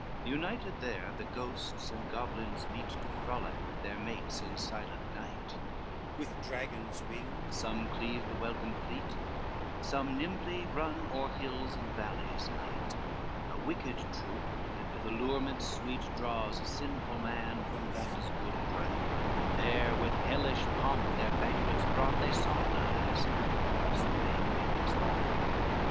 IV United there the ghosts and goblins meet To frolic with their mates in silent night, With dragons' wings some cleave the welkin fleet, Some nimbly run o'er hills and valleys light, A wicked troop, that with allurements sweet Draws sinful man from that is good and right, And there with hellish pomp their banquets brought They solemnize, thus the vain Parians thought.